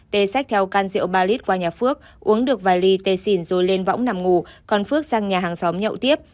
t xách theo can rượu ba lít qua nhà phước uống được vài ly t xỉn rồi lên võng nằm ngủ còn phước sang nhà hàng xóm nhậu tiếp